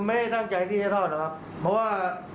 เพราะว่า